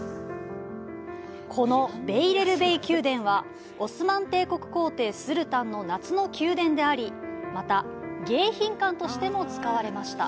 このベイレルベイ宮殿はオスマン帝国皇帝スルタンの夏の宮殿であり、また、迎賓館としても使われました。